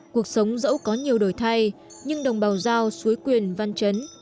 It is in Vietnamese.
cuộc sống dẫu có nhiều đổi thay nhưng đồng bào giao suối quyền văn chấn